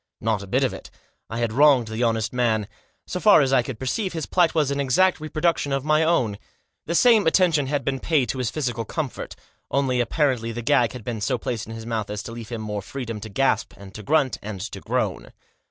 Not a bit of it. I had wronged the honest man. So far as I could perceive, his plight was an exact reproduction of my own. The same attention had been paid to his physical comfort ; only apparently the gag had been so placed in his mouth as to leave him more freedom to gasp, and to grunt, and to groan.